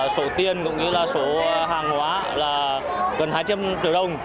số tiền cũng như là số hàng hóa là gần hai trăm linh triệu đồng